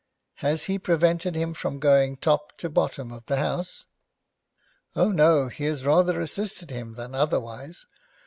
Has he prevented him going from top to bottom of the house?' 'Oh no, he has rather assisted him than otherwise.